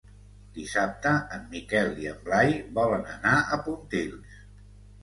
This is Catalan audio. Dissabte en Miquel i en Blai volen anar a Pontils.